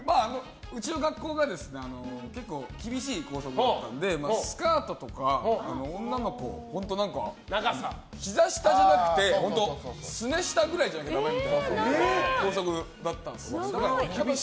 うちの学校が結構厳しい校則だったのでスカートの長さひざ下じゃなくてすね下ぐらいじゃないとダメみたいな校則だったんですよ。